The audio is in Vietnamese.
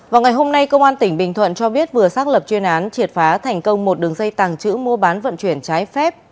vào ngày hôm nay công an tỉnh bình thuận cho biết vừa xác lập chuyên án triệt phá thành công một đường dây tàng trữ mua bán vận chuyển trái phép